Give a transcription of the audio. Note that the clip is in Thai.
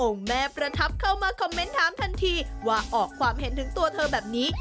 แม่ประทับเข้ามาคอมเมนต์ถามทันทีว่าออกความเห็นถึงตัวเธอแบบนี้